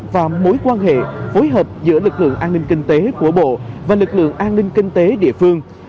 và mối quan hệ phối hợp giữa lực lượng an ninh kinh tế của bộ và lực lượng an ninh kinh tế địa phương